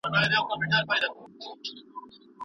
که پاملرنه وسي، زموږ زياتره ستونزي به په اسانۍ حل سي.